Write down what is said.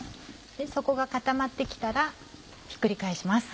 底が固まって来たらひっくり返します。